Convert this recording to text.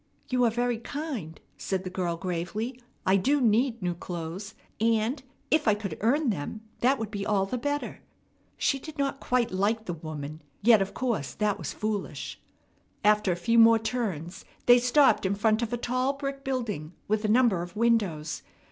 "You are very kind," said the girl gravely. "I do need new clothes; and, if I could earn them, that would be all the better." She did not quite like the woman; yet of course that was foolish. After a few more turns they stopped in front of a tall brick building with a number of windows.